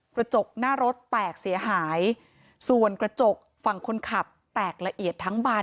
กระจกหน้ารถแตกเสียหายส่วนกระจกฝั่งคนขับแตกละเอียดทั้งบาน